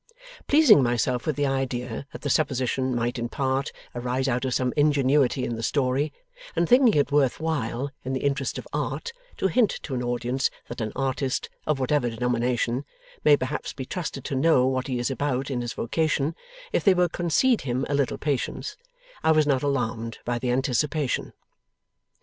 Pleasing myself with the idea that the supposition might in part arise out of some ingenuity in the story, and thinking it worth while, in the interests of art, to hint to an audience that an artist (of whatever denomination) may perhaps be trusted to know what he is about in his vocation, if they will concede him a little patience, I was not alarmed by the anticipation.